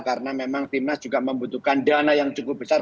karena memang timnas juga membutuhkan dana yang cukup besar